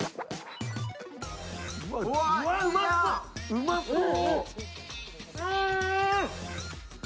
うまそう。